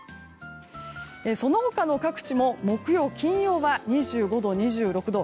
その他の各地も木曜、金曜は２５度、２６度。